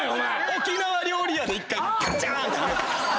沖縄料理屋で１回ガチャーンってはめた。